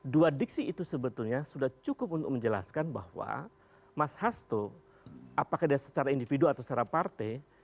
dua diksi itu sebetulnya sudah cukup untuk menjelaskan bahwa mas hasto apakah dia secara individu atau secara partai